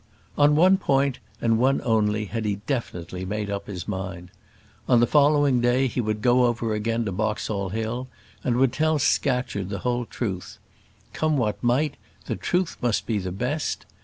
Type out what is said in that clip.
On one point, and one only, had he definitely made up his mind. On the following day he would go over again to Boxall Hill, and would tell Scatcherd the whole truth. Come what might, the truth must be the best.